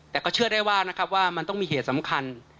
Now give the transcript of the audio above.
แต่ก็เชื่อได้ว่านะครับว่ามันต้องมีเหตุสำคัญ